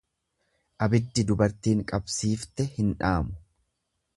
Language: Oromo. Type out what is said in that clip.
Abiddi dubartiin qabsiifte hin dhaamu.